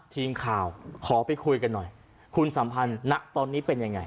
ทีมข่าวขอไปคุยกันหน่อยคุณสัมพันธ์ณตอนนี้เป็นยังไง